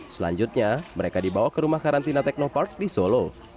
selanjutnya mereka dibawa ke rumah karantina teknopark di solo